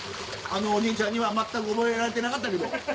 あのおじいちゃんには全く覚えられてなかったけど。